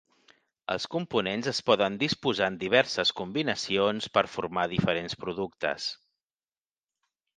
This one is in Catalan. Els components es poden disposar en diverses combinacions per formar diferents productes.